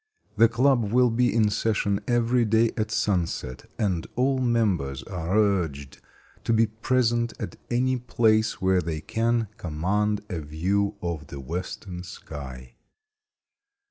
The club will be in session every day at sunset, and all members are urged to be present at any place where they can command a view of the western sky.